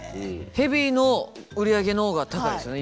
ヘビーの売り上げの方が高いですよね。